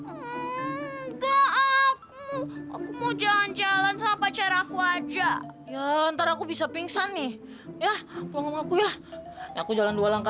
enggak aku mau jalan jalan sama pacar aku aja ya ntar aku bisa pingsan nih ya aku jalan dua langkah